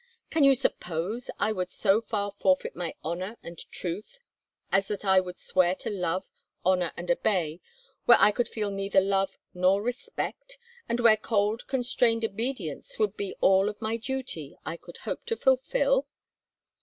Can you suppose I would so far forfeit my honour and truth as that I would swear to love, honour, and obey, where I could feel neither love nor respect, and where cold constrained obedience would be all of my duty I could hope to fulfil?"